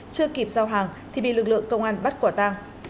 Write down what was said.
chưa kịp giao hàng thì bị lực lượng công an bắt quả tang